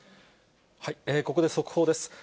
ここで速報です。